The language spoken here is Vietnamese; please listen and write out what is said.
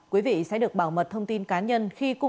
quý vị sẽ được bảo mật thông tin cá nhân khi cung cấp thông tin